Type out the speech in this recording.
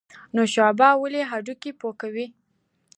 نوشابه ولې هډوکي پوکوي؟